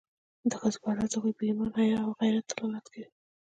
د ښځو پرده د هغوی په ایمان، حیا او غیرت دلالت کوي.